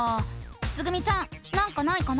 つぐみちゃんなんかないかな？